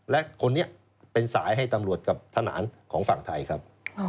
และคนนี้เป็นสายให้ตำรวจกับทหารของฝั่งไทยครับ